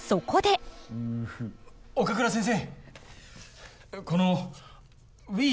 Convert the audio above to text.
岡倉先生。